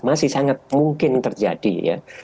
masih sangat mungkin terjadi ya